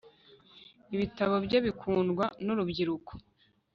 ibitabo bye bikundwa nurubyiruko